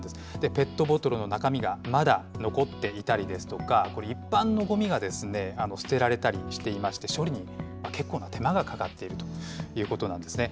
ペットボトルの中身がまだ残っていたりですとか、一般のごみが捨てられたりしていまして、処理に結構な手間がかかっているということなんですね。